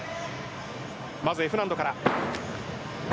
まずＦ難度から。